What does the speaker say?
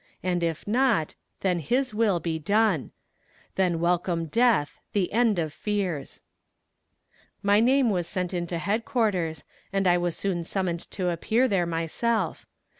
And if not, then His will be done: Then welcome death, the end of fears. My name was sent in to headquarters, and I was soon summoned to appear there myself.